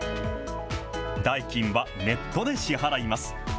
代金はネットで支払います。